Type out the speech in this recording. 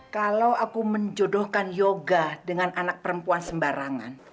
kalau aku menjodohkan yoga dengan anak perempuan sembarangan